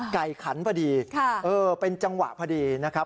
ขันพอดีเป็นจังหวะพอดีนะครับ